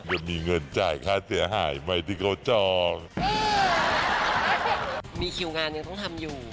มีคิวงานยังต้องทำอยู่